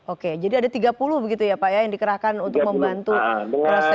oke jadi ada tiga puluh begitu ya pak ya yang dikerahkan untuk membantu proses